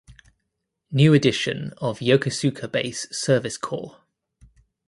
New edition of Yokosuka Base Service Corps.